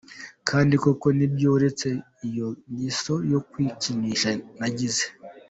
Kandi koko nibyo uretse iyo ngeso yo kwikinisha nagize.